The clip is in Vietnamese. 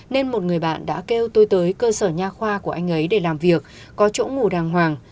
nên một người bạn đã kêu tôi tới cơ sở nhà khoa của anh ấy để làm việc có chỗ ngủ đàng hoàng